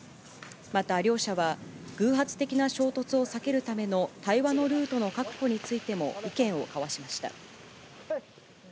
また両者は、偶発的な衝突を避けるための対話のルートの確保についても意見を交わしました。